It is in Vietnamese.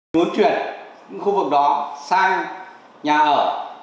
muốn chuyển khu vực đó sang nhà ở